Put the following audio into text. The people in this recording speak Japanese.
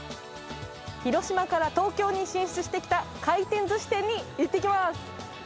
広島から東京に進出してきた回転ずし店に行ってきます。